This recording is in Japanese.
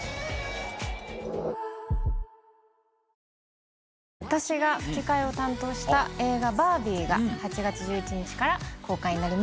ニトリ私が吹き替えを担当した映画『バービー』が８月１１日から公開になります。